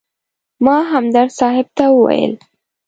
ما همدرد صاحب ته وویل.